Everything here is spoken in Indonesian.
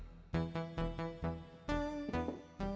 eh gak mau